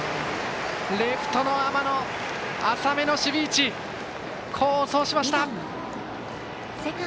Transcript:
レフトの天野、浅めの守備位置が功を奏しました！